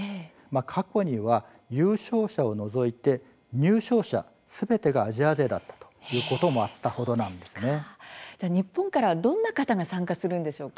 過去には優勝者を除いて入賞者すべてがアジア勢だったと日本からはどんな方が参加するんでしょうか。